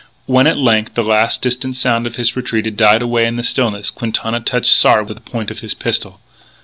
When at length the last distant sound of his retreat had died away in the stillness, Quintana touched Sard with the point of his pistol.